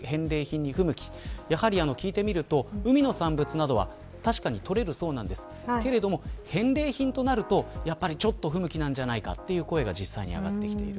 聞いてみると海の産物などは確かに取れるそうなんですが返礼品となるとちょっと不向きじゃないかという声が実際に上がっています。